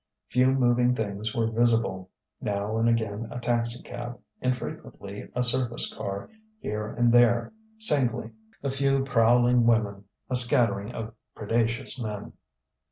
Few moving things were visible: now and again a taxicab, infrequently a surface car, here and there, singly, a few prowling women, a scattering of predacious men.